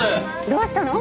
どうしたの？